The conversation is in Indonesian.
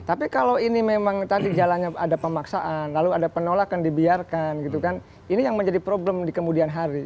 tapi kalau ini memang tadi jalannya ada pemaksaan lalu ada penolakan dibiarkan gitu kan ini yang menjadi problem di kemudian hari